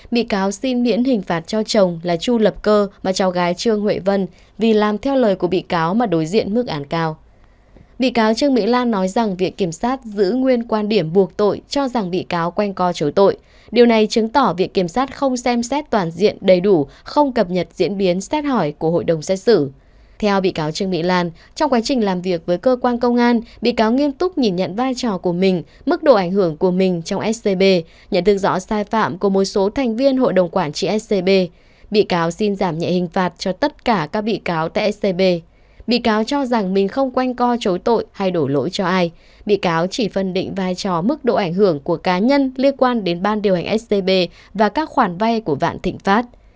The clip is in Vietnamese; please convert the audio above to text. bị cáo chỉ phân định vai trò mức độ ảnh hưởng của cá nhân liên quan đến ban điều hành scb và các khoản vay của vạn thịnh pháp